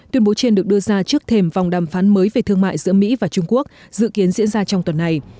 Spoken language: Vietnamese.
tuyên bố trên được đưa ra trước thềm vòng đàm phán mới về thương mại giữa mỹ và trung quốc dự kiến diễn ra trong tuần này